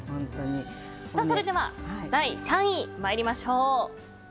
それでは第３位まいりましょう。